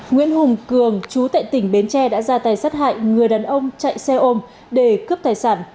nguyễn hùng cường chú tại tỉnh bến tre đã ra tay sát hại người đàn ông chạy xe ôm để cướp tài sản